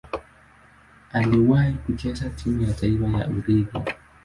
Aliwahi kucheza timu ya taifa ya Ugiriki.